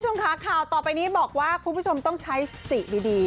คุณผู้ชมค่ะข่าวต่อไปนี้บอกว่าคุณผู้ชมต้องใช้สติดี